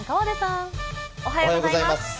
おはようございます。